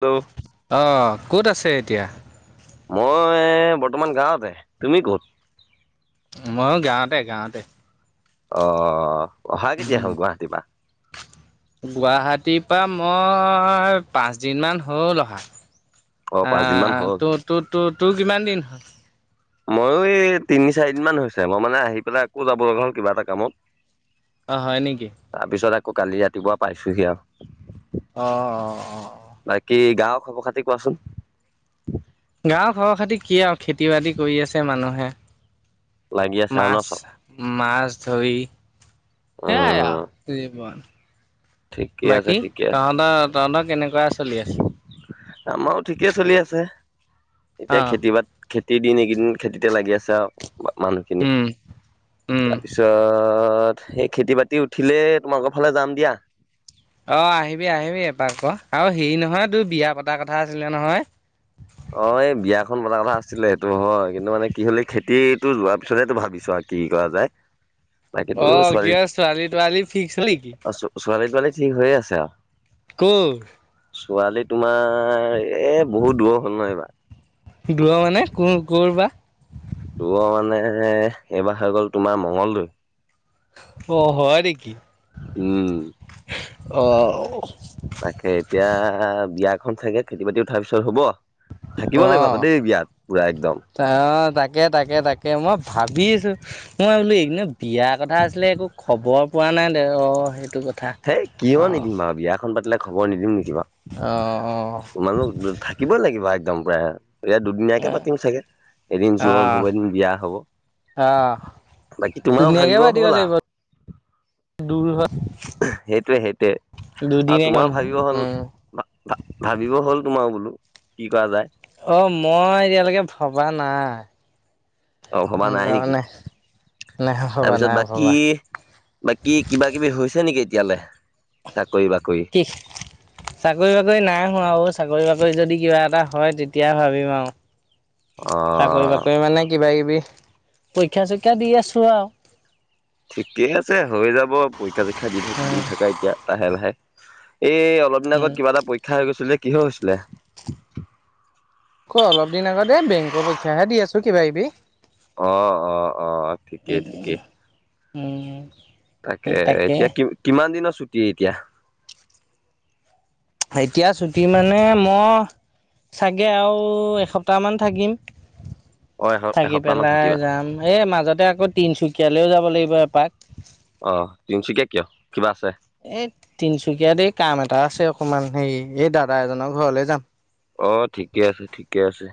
Hello অ' ক'ত আছে এতিয়া? মই বৰ্তমান গাঁৱতে, তুমি কত? ময়ো গাঁৱতে, গাঁৱতে। অ', অহা কেতিয়া উম, হ'ল গুৱাহাটীৰ পৰা? গুৱাহাটীৰ পৰা মই পাঁচ দিন মান হল অহা। [inaudible] পাঁচদিন মান আহ, হ'ল তোৰ তোৰ, তোৰ কিমান দিন ময়ো এই তিনি-চাৰিদিন মান হৈছে, মই মানে আহি পেলাই আকৌ যাব লগা হ'ল কিবা এটা কামত। অ' হয় নেকি? তাৰপিছত আকৌ কালি ৰাতিপুৱা পাইছোহি আৰু। অহ, অহ। বাকী গাঁৱৰ খবৰ-খাতি কোৱাচোন? গাঁৱৰ খবৰ-খাতি কি আৰু? খেতি-বাতি কৰি আছে মানুহে, লাগি আছে আৰু ন মাছ চব মাছ ধৰি সেইয়াই উম আৰু জীৱন। ঠিকে আছে বাকী ঠিকে আছে তহঁতৰ-তহঁতৰ কেনেকুৱা চলি আছে? আমাৰো ঠিকেই চলি আছে, এতিয়া অ', খেতি-বাতি খেতিৰ দিন এইকেইদিন খেতিতে লাগি আছে আও। মানুহখিনি, উম, উম। তাৰপিছত সেই খেতি-বাতি উঠিলে তোমালোকৰ ফালে যাম দিয়া। অঁ, আহিবি, আহিবি এপাক আকৌ, আৰু হেৰি নহয় তোৰ বিয়া পতা কথা আছিলে নহয়? অ' এই বিয়াখন পতা কথা আছিলে, সেইটো হয় কিন্তু মানে কি হলে খেতিটো যোৱাৰ পিছতহে ভাবিছো আও। কি কৰা যায়? বাকীতো অ', কি ছোৱালী কয়, ছোৱালী-তোৱালী ফিক্স হ'ল নেকি? ছোৱালী-তোৱালী ঠিক হৈয়ে আছে আৰু। ক'ৰ? ছোৱালী তোমাৰ এ বহুত দূৰৰ হ'ল নহয় এইবাৰ। [unintelligible] তোমাৰ মানে, এইবাৰ হৈ গ'ল তোমাৰ মঙ্গলদৈ। অ', হয় নেকি? উম'। অ'। তাকে এতিয়া বিয়াখন চাগে খেতি বাতি উঠাৰ পিছত হব অ'। থাকিব লাগিব আকৌ দেই বিয়াত পুৰা একদম অ তাকে তাকে তাকে মই ভাবি আছো মই বোলো এইনো বিয়া কথা আছিলে একো খবৰ পোৱা নাই দে অঁ সেইটো কথা হেই কিয় অ', নিদিম বাৰু বিয়াখন পাতিলে খবৰ নিদিম নেকি বাৰু অ', অ'। মানুহ থাকিবই লাগিব, একদম পোৰা। এতিয়া দুদিনীয়াকে পাতিম চাগে, এদিন জোৰণ হ'ব, এদিন বিয়া হব। আহ বাকী তোমাৰো ধুনীয়াকে ভাবিব পাতিব হ'ল লাগিব আৰু দূৰ হয়। সেইটোৱে সেইটোৱে আৰু দুদিনে গৈ তোমাৰ নহয় ভাবিব হ'ল। উম। ভা- ভা, ভাবিব হ'ল তোমাৰ বোলো কি কৰা যায়। অ', মই এতিয়ালৈকে ভবা নাই। অ', ভবা নাই নেকি? মানে নাই ভবা তাৰপিছত নাই বাকী ভবা বাকী, কিবা-কিবি হৈছে নেকি এতিয়ালৈ চাকৰি বাকৰি। ইছ্। চাকৰি বাকৰি নাই হোৱা অ', আৰু চাকৰি বাকৰি যদি কিবা এটা হয় তেতিয়া ভাবিম আৰু। অ'। চাকৰি-বাকৰি মানে কিবা-কিবি, পৰীক্ষা চৰক্ষা দি আছো আৰু। ঠিকেই আছে, হৈ যাব পৰীক্ষা-চৰীক্ষা দি উম। থাক। এতিয়া, লাহে-লাহে এই অলপ দিন আগত কিবা এটা [unintelligible] অ', অলপ দিন আগতে বেংকৰ পৰীক্ষাহে দি আছোঁ কিবা-কিবি। অ', অ', অ' ঠিকেই ঠিকেই। উম তাকেই তাকে এতিয়া, কিমান দিনৰ ছুটি এতিয়া। এতিয়া ছুটি মানে মই চাগে আৰু এসপ্তাহমান থাকিম। অ এস থাকি এসপ্তাহ মান পেলাই থাকিবা যাম, এ মাজতে আকৌ তিনিচুকীয়ালৈ ও যাব লাগিব এপাক। অ', তিনিচুকীয়া কিয়? কিবা আছে? এই তিনিচুকীয়াত এই কাম এটা আছে অকমান, হেৰি এই দাদা এজনৰ ঘৰলে যাম। অ', ঠিকে আছে, ঠিকে আছে,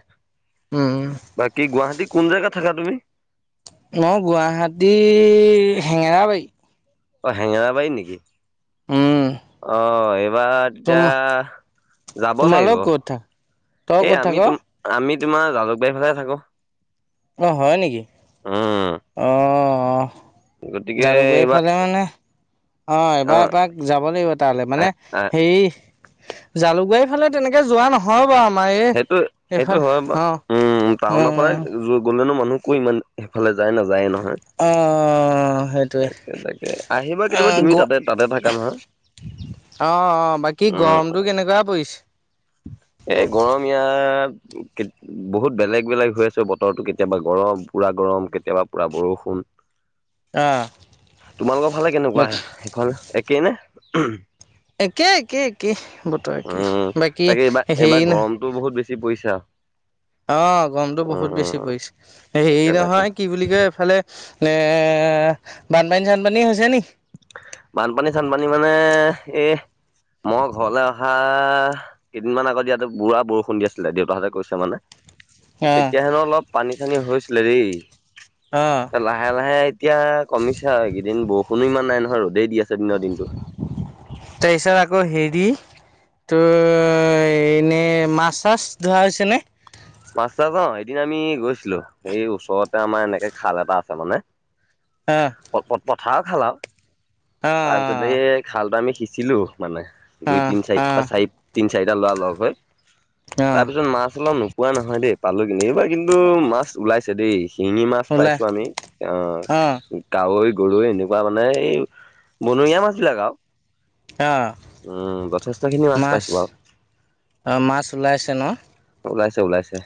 উম। বাকী গুৱাহাটীত কোন জেগাত থাকা তুমি? মই, গুৱাহাটীৰ হেঙেৰাবাৰীত অ', হেঙেৰাবাৰী নেকি? উম অ' এইবাৰ তোম তেতিয়া যাব লাগিব, তোমালোক ক'ত থাক তই এই ক'ত থাক আমি তোম আমি তোমাৰ জালুকবাৰীহে ফালে থাকোঁ। অ', হয় নেকি? উম অ', অ'। গতিকে এইবাৰ জালুকাৰীফালে মানে অ', এবাৰ এপাক যাব লাগিব তালে। মানে হেৰি জালুকবাৰী ফালে তেনেকে যোৱা নহ সেইটো, সেইটো হয়, অ বাৰু উম। উ টাউনৰ ফালে গ'লেনো মানুহ ক'ৰ ইমান সেইফালে যায়, নাযায় ন। অ'। সেইটোৱে তাকে তাকে, আহিবা অ কেতিয়াবা তুমি গ তাতে তাতে থাকা নহয়। অ অ বাকী উম গৰমটো কেনেকুৱা পৰিছে? এই গৰম ইয়াত বহুত বেলেগ বেলেগ হৈ আছে বতৰটো কেতিয়াবা গৰম পুৰা গৰম কেতিয়াবা পুৰা বৰষুণ। অ তোমালোকৰ ফালে কেনেকুৱা বাকী সেইখন একেই নে উমহ? একেই একেই একেই বতৰ একেই উম বাকী তাকে এইবাৰ হেৰি এইবাৰ ন গৰমতো বহুত বেছি পৰিছে আৱ। অ গৰমটো বহুত বেছি পৰিছে তাকে হেৰী তাকে নহয় কি বুলি কয় এইফালে নে বানপানী চানপানী হৈছে নি? বানপানী চানপানী মানে এহ মই ঘৰলে অহা কেইদিনমান আগত ইয়াতে পুৰা বৰষুণ দি আছিলে, দেউতাহঁতে কৈছে মানে। অ', তেতিয়া হেনো অলপ পানী চানী হৈছিলে দেই। অহ। লাহে লাহে এতিয়া কমিছে আৰু এইকেইদিন বৰষুণো ইমান নাই নহয়, ৰ'দে দি আছে দিনৰ দিনটো। তাৰপিছত আকৌ হেৰী তোৰ এনেই মাছ চাছ ধৰা হৈছেনে? মাছ চাছ অ এদিন আমি গৈছিলো এই ওচৰতে আমাৰ এনেকে খাল এটা আছে মানে অহ। প প পথাৰ খাল আৱ তাৰপিছতে অ', এই খালটো আমি সিঁচিলো মানে। দুই তিনি চাৰি অ চাৰি তিনি চাৰিটা ল'ৰা লগ হৈ অ', তাৰপিছত মাছ অলপ নোপোৱা নহয় দেই পালোঁ কিন্তু এইবাৰ কিন্তু মাছ ওলাইছে দেই। শিঙি মাছ ওলাই পাইছোঁ আমি অহ অ', কাৱৈ, গৰৈ এনেকুৱা মানে এই বনৰীয়া মাছ বিলাক আৱ, অ', উম যথেষ্টখিনি মাছ পাইছোঁ বাৰু। অঁ মাছ ওলাইছে ন'? ওলাইছে ওলাইছে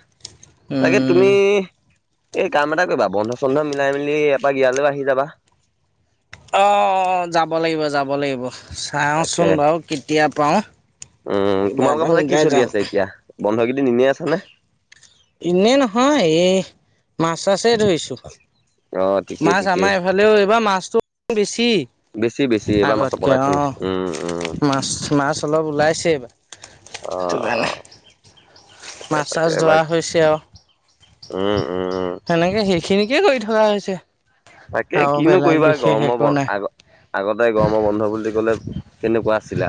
তাকে উম, তুমি এই কাম এটা কৰিবা বন্ধ চন্ধ মিলাই মেলি এপাক ইয়ালৈও আহি যাবা। অঁ যাব লাগিব যাব লাগিব। তাকে চাওঁচোন বাৰু কেতিয়া পাৰোঁ, উম কিবা তোমালোকৰ এটা ফালে কি মিলাই চলি যাম। আছে এতিয়া বন্ধ কেইদিন ইনেয়ে আছানে? ইনেয়ে নহয় এই মাছ চাছে ধৰিছো। অ ঠিকেই মাছ ঠিকেই আমাৰ এই ফালেও এইবাৰ মাছটো বেছি। বেছি বেছি এইবাৰ মাছৰ আগতকে অ প্ৰডাকচন বেছি, উম উম। মাছ মাছ অলপ ওলাইছে এইবাৰ। অ সেইটো অ কাৰণে তাকে মাছ তাকে চাছ এবাৰ ধৰা হৈছে আৱ। উম উম। সেনেকে সেইখিনিকে কৰি থকা হৈছে। তাকে আৰু কিনো বেলেগ কৰিবা বিশেষ গৰম একো ব নাই আগ আগতে গৰম বন্ধ বুলি ক'লে কেনেকুৱা আছিলে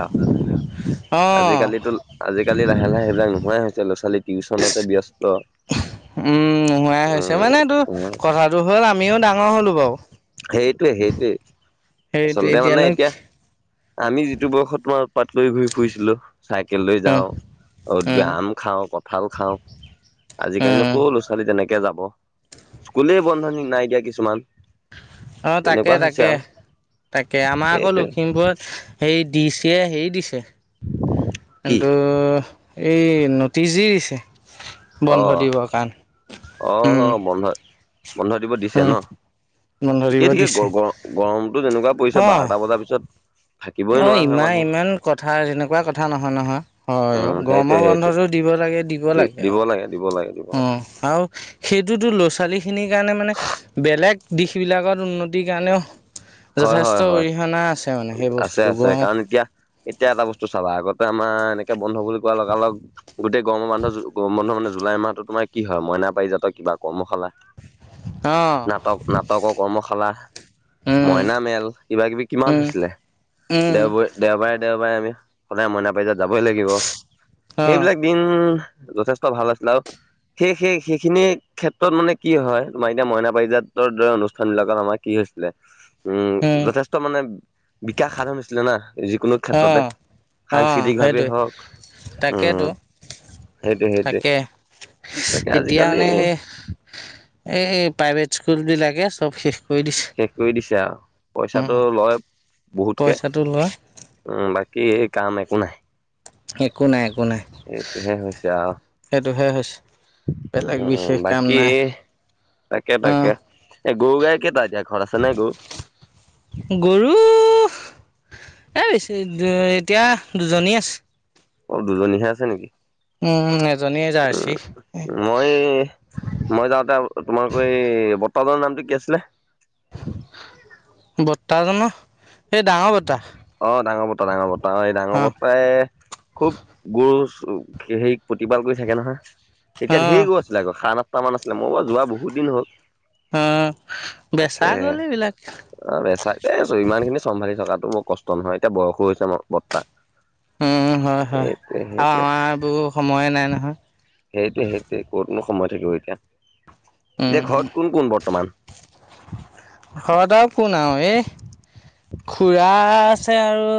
অ আৱ আজিকালিটো আজিকালি লাহে লাহে সেইবিলাক নোহোৱাই হৈছে ল'ৰা ছোৱালী টিউচনতে ব্যস্ত। উম নোহোৱাই হৈছে উম মানে এইটো উম কথাটো হ'ল আমিও ডাঙৰ হ'লো বাৰু। সেইটোৱে সেইটোৱে সেইটো আচলতে মানে এতিয়ানো এতিয়া আমি যিটো বয়সত তোমাৰ উৎপাত কৰি ঘূৰি ফুৰিছিলো। চাইকেল লৈ উম যাওঁ। ক'ৰবাত গৈ উম আম খাওঁ কঁঠাল খাওঁ। আজিকালিনো উম ক' ল'ৰা ছোৱালী তেনেকে যাব। স্কুলে বন্ধ নি নাই দিয়া কিছুমান। অঁ তাকে তেনেকুৱা হৈছে তাকে আৰু তাকে আমাৰ আকৌ সেইটোৱে। লখিমপুৰত হেৰি দি ছিয়ে হেৰি দিছে কি? কিন্তু এই নটিচ দি দিছে বন্ধ অ', দিবৰ কাৰণে উম অ', বন্ধ বন্ধ দিব দিছে ন উম বন্ধ দিব ঠিকে ঠিকে গ দিছে গ গৰমটো যেনেকুৱা পৰিছে বাৰটা বজাৰ পিছত থাকিবই অহ নোৱাৰা হয় ইমান মানুহ। ইমান কথা তেনেকুৱা কথা নহয় নহয় হয় অ উম, গৰম সেইটোৱে সেইটোৱে বন্ধতো দিব লাগে দিব লাগে দি-দিব আৰু দিব লাগে দিব লাগে। উম আৰু সেইটোতো ল'ৰা ছোৱালী খিনিৰ কাৰণে মানে বেলেগ দিশ বিলাকত উন্নতিৰ কাৰণেও হয়, যথেষ্ট হয়, হয়, অৰিহণা আছে মানে সেই বস্তু আছে আছে কাৰণ এতিয়া এতিয়া এটা বস্তু চাবা আগতে আমাৰ এনেকে বন্ধ বুলি কোৱা লগালগ গোটেই গৰমৰ বন্ধত গৰমৰ বন্ধ মানে জুলাই মাহতো তোমাৰ কি হয় মইনা পাৰিজাতৰ কিবা কৰ্মশালা অ নাটক নাটকৰ কৰ্মশালা উম মইনা মেল কিবা কিবি কিমান উম হৈছিলে উম দেওবাই দেওবাই দেওবাই আমি সদায় মইনা পাৰিজাত যাবই লাগিব অ সেইবিলাক দিন যথেষ্ট ভাল আছিলে আৰু সেই সেই সেইখিনিয়ে ক্ষেত্ৰত মানে কি হয় তোমাৰ এতিয়া মইনা পাৰিজাতৰ দৰে অনুষ্ঠান বিলাকত আমাৰ কি হৈছিলে উম যথেষ্ট মানে বিকাশ সাধন হৈছিলে না যিকোনো অ ক্ষেত্ৰতে অ সাংস্কৃতিক ভাৱে সেইটোৱে হওঁক উম তাকেতো সেইটোৱে সেইটোৱে তাকে তাকে এতিয়া আজিকালি। মানে সেই এই প্ৰাইভেট স্কুল বিলাকে চব শেষ কৰি দিছে। শেষ কৰি দিছে আও উম, পইচাটো লয় বহুতকে পইচাটো লয় উম বাকী এই কাম একো নাই। একো নাই একো নাই। এইটোহে হৈছে আও সেইটোহে হৈছে। বেলেগ উম বিশেষ কাম বাকী নাই তাকে তাকে অ', এ গৰু গায় কেইটা এতিয়া ঘৰত আছে গৰু গৰুৰু এ বেছি এতিয়া দুজনী আছে। অহ দুজনীহে আছে নেকি। উম এজনী যাৰ্চি উম মই মই যাওঁতে তোমালোকৰ এই বৰ্তাজনৰ নামটো কি আছিলে বৰ্তাজনৰ এই ডাঙৰ বট্ৰা অহ ডাঙৰ বট্ৰই ডাঙৰ বট্ৰা অ এই ডাঙৰ বট্ৰাই খুব গৰু হেৰি প্ৰতিপাল কৰি থাকে নহয় তেতিয়া ঢেৰ অ', গৰু আছিলে আকৌ সাত আ আঠটো মান আছিলে মই বাৰু যোৱা বহুত দিন হ'ল অ', তাকে বেচা গ'ল এইবিলাক অহ বেচাকে আছো ইমান খিনি চম্ভালি থকাটো মোৰ কষ্ট নহয় এতিয়া বয়সো হৈছে মই বট্ৰা উম হয় হয় আৰু আমাৰ বোৰ সময়ে নাই নহয় সেইটোৱে সেইটোৱে ক'তনো সময় থাকিব এতিয়া এতিয়া উম, ঘৰত কোন কোন বৰ্তমান। ঘৰত আও কোনও এ খুড়া আছে আৰু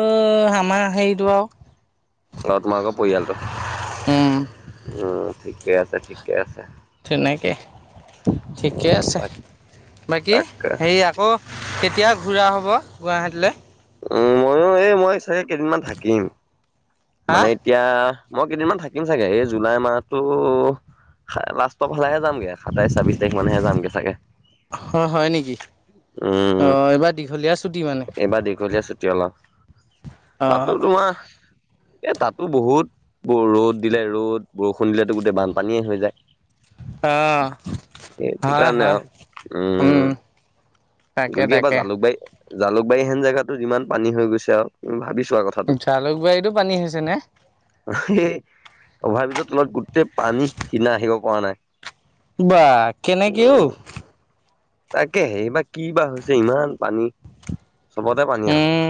আমাৰ হেৰিটো আও অহ তোমাল উম পৰিয়ালটো উম ঠিকে আছে ঠিকে আছে তেনেকে ঠিকে উম আছে বাক বাকী তাক হেৰিয়া অহ কেতিয়া ঘূৰা হ'ব গুৱাহাটীলে উম মইয়ো এই মই চাগে কেইদিনমান থাকিম হা মানে এতিয়া মই কেইদিনমান থাকিম চাগে এই জুলাই মাহতো লাষ্ট পালেগে যামে সাতাইছ ছাব্বিছ তাৰিখ মানহে যাম গে চাগে অহ হয় নেকি উম অহ এইবাৰ দীঘলীয়া ছুটি মানে। এইবাৰ দীঘলীয়া ছুটি হ'ল আঔ অ তাতটো তোমাৰ। এ তাতো বহুত ৰ'দ দিলে ৰ'দ বৰষুণ দিলেতো গোটেই বানপানীয়ে হৈ যায়। অ সেইটো হয় কাৰণে হয় আৰু উম। তাকে গতিকে এইবাৰ তাকে জালুকবাৰী জালুকবাৰীহেন জেগাতো যিমান পানী হৈ গৈছে আৰু তুমি ভাবিছা কথাটো। জালুক বাৰীতো পানী হৈছে নে? এই অভাৰ ব্ৰীজৰ তলত গোটেই পানী সিদিনা আহিব পৰা নাই। বা কেনেকে ও তাকেহে এইবাৰ কি বা হৈছে ইমান পানী। চবতে পানী আঔ উম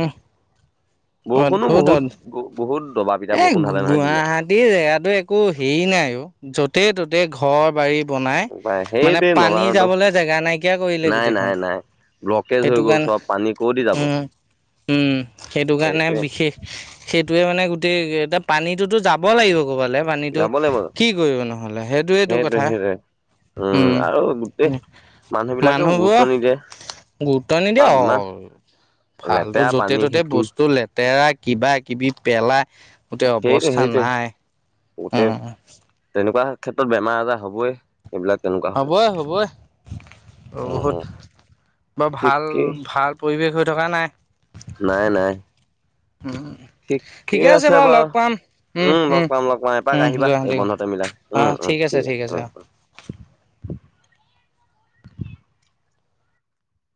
বৰষুণো অদ্ভুত বহুত অদ্ভুত বহুত দবা পিটা এ বৰষুণ ঢালে নহয় দিলে। গুৱাহাটীৰ দেখাটো একো হেৰি নাই ও য'তে ত'তে ঘৰ বাৰী। বনাই উপায় মানে সেইটোৱে নলা পানী নৰ্দমা যাবলৈ জেগা নাইকিয়া কৰিলে নাই নাই গোটেইখন। নাই। ব্লকেজ হৈ সেইটো গল চব পানী ক দি যাব। ওম সেইটো কাৰণে সেইটোৱে বিশেষ। সেইটোৱেই মানে গোটেই এতিয়া পানীটোতো যাব লাগিব কৰবালে। পানীতো যাব লাগিব কি কৰিব নহ'লে সেইটোৱেইটো সেইটোৱে কথা। সেইটোৱে। উম আৰু গোটেই ম মানুহ বিলাকেও গুৰুত্ব মানুহবোৰ নিদিয়ে গুৰুত্ব বা নিদিয়া ইমান হ'ল ফালতো লেতেৰা য'তে পানী ত'তে শিকিম বস্তু তেৰা কিবা কিবি পেলাই গোটেই অৱস্থা নাই। গোতেই উম তেনেকুৱা ক্ষেত্ৰত বেমাৰ আজাৰ হবই এইবিলাক বোকা। হ'বই হ'বই। উম, উম, বহুত বৰ ভাল ঠিকেই ভাল পৰিৱেশ হৈ থকা নাই। নাই নাই। ওমহো ঠিকে আছে বাৰু লগ পাম উম লগ উম পাম লগ পাম এপাক উম আহিবা এই গুৱাহাটী গলে। বন্ধতে মিলাই অ উম উম ঠিক আছে ঠিক আছে উম অ।